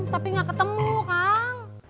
tapi gak ketemu kang